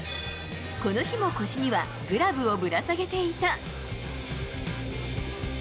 この日も腰にはグラブをぶらさげていた。